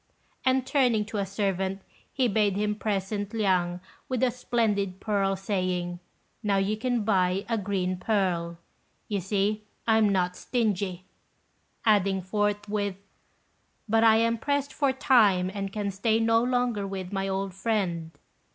And, turning to a servant, he bade him present Liang with a splendid pearl, saying, "Now you can buy a Green Pearl; you see I am not stingy;" adding forthwith, "but I am pressed for time, and can stay no longer with my old friend."